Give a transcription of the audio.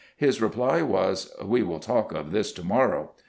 His reply was, " We will talk of this to morrow."